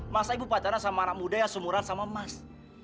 masa ibu pacara sama anak muda yang semuran sama mas